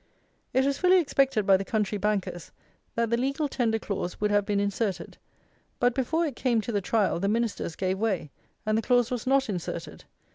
It was fully expected by the country bankers, that the legal tender clause would have been inserted; but, before it came to the trial, the Ministers gave way, and the clause was not inserted.